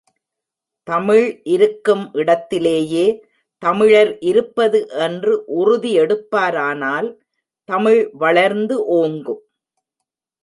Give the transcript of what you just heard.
தமிழ் இருக்கும் இடத்திலேயே தமிழர் இருப்பது என்று உறுதி எடுப்பாரானால் தமிழ் வளர்ந்து ஓங்கும்.